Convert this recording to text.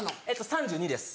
３２です。